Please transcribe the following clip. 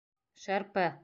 Шырпы!